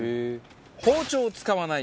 包丁を使わない。